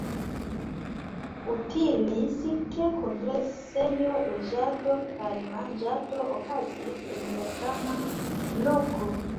Utilis ke kongresejo, loĝado kaj manĝado okazis en la sama loko.